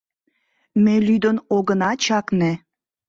Ме лӱдын огына чакне